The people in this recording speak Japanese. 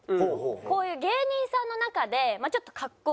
こういう芸人さんの中でまあちょっとかっこいい。